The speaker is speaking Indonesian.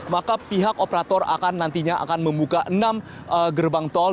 maka pihak operator akan nantinya akan membuka enam gerbang tol